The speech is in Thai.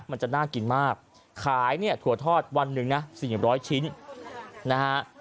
มันจะน่ากินมากขายเนี่ยถั่วทอดวันหนึ่งนะ๔๐๐ชิ้นนะฮะ